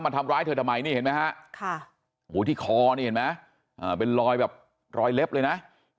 ทำร้ายเธอทำไมนี่เห็นไหมฮะที่คอนี่เห็นไหมเป็นรอยแบบรอยเล็บเลยนะ